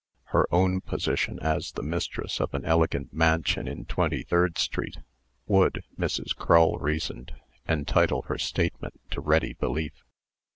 Her own position as the mistress of an elegant mansion in Twenty third street, would (Mrs. Crull reasoned) entitle her statement to ready belief.